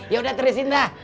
yaudah terisin dah